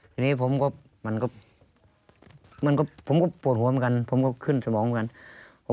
ทีนี้ผมก็มันก็ผมก็ปวดหัวเหมือนกันผมก็ขึ้นสมองเหมือนกัน